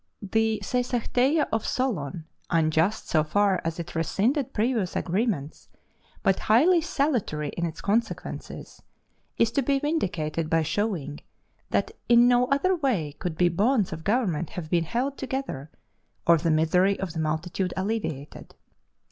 The Seisachtheia of Solon, unjust so far as it rescinded previous agreements, but highly salutary in its consequences, is to be vindicated by showing that in no other way could the bonds of government have been held together, or the misery of the multitude alleviated.